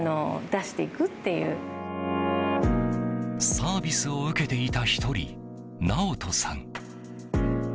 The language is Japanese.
サービスを受けていた１人なおとさん。